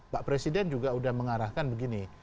pak presiden juga sudah mengarahkan begini